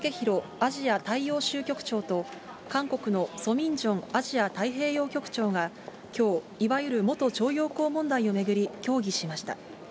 アジア大洋州局長と、韓国のソ・ミンジョンアジア太平洋局長がきょう、いわゆる元徴用工問題を巡り、協議しました。